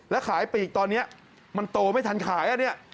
แล้วขายปีกตอนนี้มันโตไม่ทันขายอ่ะเนี่ย